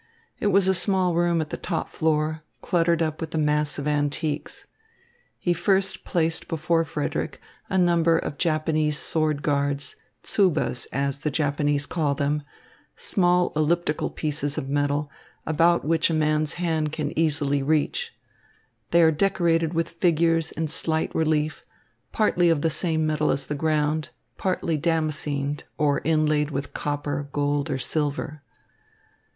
It was a small room on the top floor, cluttered up with a mass of antiques. He first placed before Frederick a number of Japanese sword guards, tsubas, as the Japanese call them, small elliptical pieces of metal, about which a man's hand can easily reach. They are decorated with figures in slight relief, partly of the same metal as the ground, partly damascened, or inlaid with copper, gold, or silver.